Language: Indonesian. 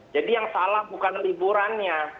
jadi yang salah bukan liburannya